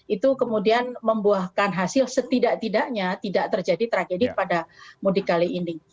itu kemudian membuahkan hasil setidak tidaknya tidak terjadi tragedi pada mudik kali ini